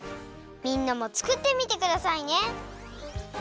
みんなもつくってみてくださいね。